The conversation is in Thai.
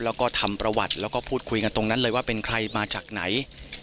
แล้วก็ทำประวัติแล้วก็พูดคุยกันตรงนั้นเลยว่าเป็นใครมาจากไหน